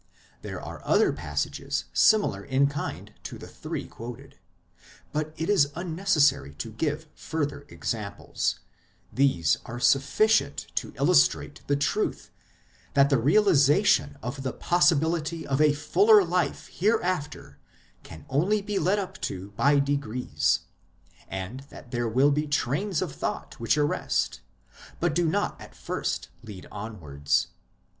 There are other passages similar in kind to the three quoted ; but it is unnecessary to give further examples ; these are sufficient to illustrate the truth that the realization of the possibility of a fuller life hereafter can only be led up to by degrees ; and that there will be trains of thought which arrest, but do not at first lead onwards.